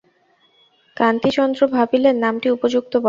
কান্তিচন্দ্র ভাবিলেন নামটি উপযুক্ত বটে!